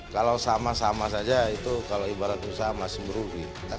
kalau sama sama saja itu kalau ibarat usaha masih merugi